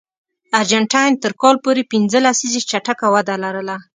ارجنټاین تر کال پورې پنځه لسیزې چټکه وده لرله.